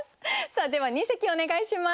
では二席お願いします。